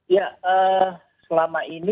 ya selama ini